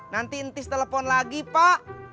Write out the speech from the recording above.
nanti intis telepon lagi pak